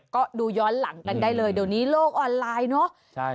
ก็ดูย้อนหลังกันได้เลยเดี๋ยวนี้โลกออนไลน์เนอะ